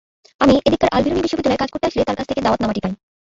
আমি এদিককার আলবিরুনি বিশ্ববিদ্যালয়ে কাজ করতে আসলে তাঁর কাছ থেকে দাওয়াতনামাটি পাই।